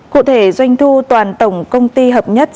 cụ thể doanh thu toàn tổng công ty hợp nhất